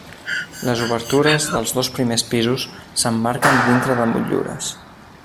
Les obertures dels dos primers pisos s'emmarquen dintre de motllures.